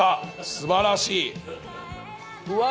すばらしいうわ